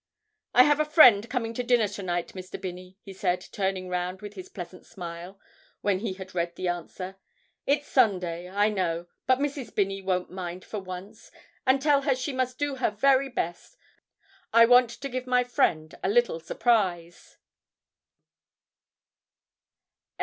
'I have a friend coming to dinner to night, Mr. Binney,' he said, turning round with his pleasant smile when he had read the answer. 'It's Sunday, I know, but Mrs. Binney won't mind for once, and tell her she must do her very best; I want to give my friend a little surprise.'